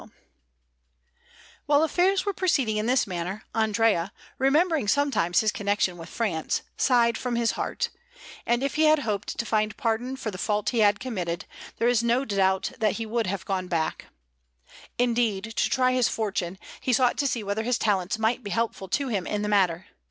Florence: Poggio a Caiano_) Alinari] While affairs were proceeding in this manner, Andrea, remembering sometimes his connection with France, sighed from his heart: and if he had hoped to find pardon for the fault he had committed, there is no doubt that he would have gone back. Indeed, to try his fortune, he sought to see whether his talents might be helpful to him in the matter.